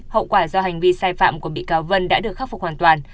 hậu quả do hành vi sai phạm của bị cáo vân đã được khắc phục hoàn toàn